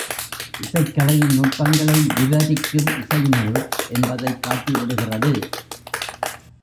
இசைக் கலையின் நுட்பங் களை விவரிக்கும் இசைநூல் என்பதைக் காட்டி விடுகிறது.